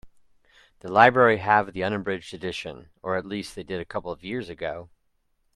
The library have the unabridged edition, or at least they did a couple of years ago.